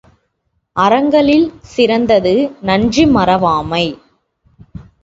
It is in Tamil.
அறங்களில் சிறந்தது நன்றி மறவாமை.